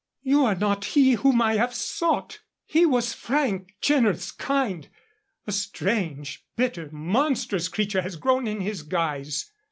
"You are not he whom I have sought. He was frank, generous, kind. A strange, bitter, monstrous creature has grown in his guise."